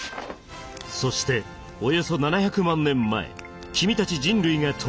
そしておよそ７００万年前君たち人類が登場。